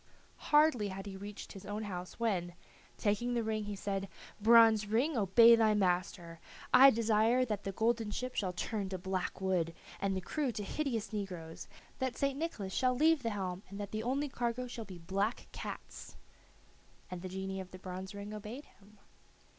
Hardly had he reached his own house when, taking the ring, he said, "Bronze ring, obey thy master. I desire that the golden ship shall turn to black wood, and the crew to hideous negroes; that St. Nicholas shall leave the helm and that the only cargo shall be black cats." And the genii of the bronze ring obeyed him.